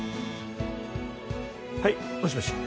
はいもしもし。